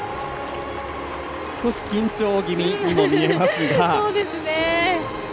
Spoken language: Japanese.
少し緊張気味にも見えますが。